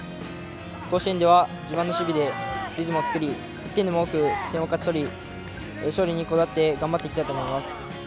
甲子園では自慢の守備でリズムを作り１点でも多く点を勝ち取り勝利にこだわって頑張っていきたいと思います。